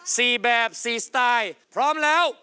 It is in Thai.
แบบสี่สไตล์พร้อมแล้ว